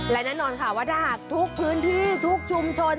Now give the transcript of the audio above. และแน่นอนค่ะว่าถ้าหากทุกพื้นที่ทุกชุมชน